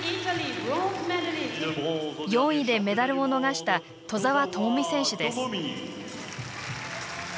４位でメダルを逃した兎澤朋美選手です。